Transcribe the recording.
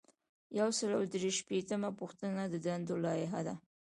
یو سل او درې شپیتمه پوښتنه د دندو لایحه ده.